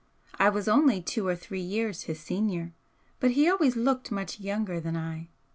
I was only two or three years his senior, but he always looked much younger than I.